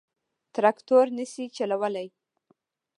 تراکتور نه شي جوړولای.